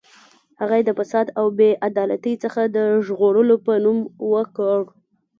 هغه یې د فساد او بې عدالتۍ څخه د ژغورلو په نوم وکړ.